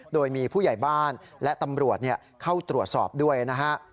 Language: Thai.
โดยมีผู้ใหญ่บ้านและตำรวจเข้าตรวจสอบด้วยนะฮะ